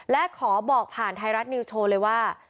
และขอบอกผ่านไทยรัฐนิวสโชว์เลยว่า